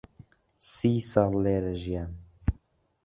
سی ساڵ لێرە ژیام.